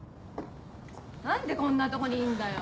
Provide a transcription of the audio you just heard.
何でこんなとこにいんだよ！